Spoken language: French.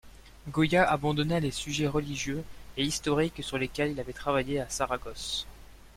Goya abandonna les sujets religieux et historiques sur lesquels il avait travaillé à Saragosse.